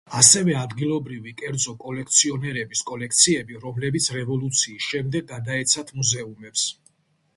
ასევე ადგილობრივი კერძო კოლექციონერების კოლექციები, რომლებიც რევოლუციის შემდეგ გადაეცათ მუზეუმებს.